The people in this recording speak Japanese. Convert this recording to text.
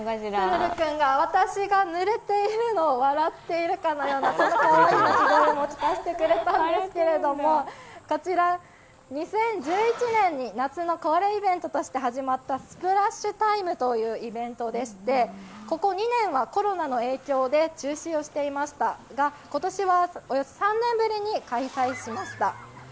プルル君が私がぬれているのを笑っているかのようなこのかわいい鳴き声を聞かせてくれたんですけど、こちら、２０１１年に夏の恒例イベントとして始まったスプラッシュタイムというイベントでしてここ２年はコロナの影響で中止をしていましたが、今年はおよそ３年ぶりに開催しました。